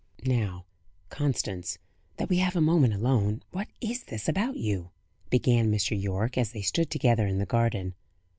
"Now, Constance, that we have a moment alone, what is this about you?" began Mr. Yorke, as they stood together in the garden.